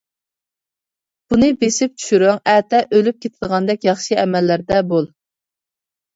بۇنى بېسىپ چۈشۈرۈڭ ئەتە ئۆلۈپ كېتىدىغاندەك ياخشى ئەمەللەردە بول.